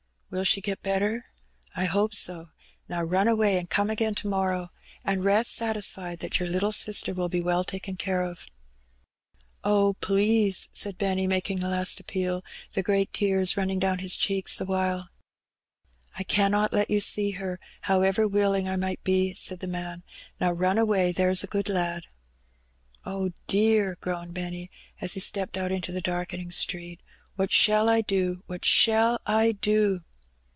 "Will she get better?" I hope so. Now run away and come again to morrow, cc Benny Pbays. 115 and rest satisfied that your little sister will be well taken care of/' " Oh, please/' said Benny, making a last appeal, the ^•eat tears running down his cheeks the while. "I cannot let you see her, however willing I might be," said the man. *^Now run away, there's a good lad." "Oh, dear," groaned Benny, as he stepped out into the darkening street. "What shall I do? what shall I do?"